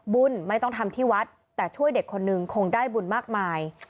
บุญไม่ต้องทำที่วัดแต่ช่วยเด็กคนนึงคงได้บุญมากมาย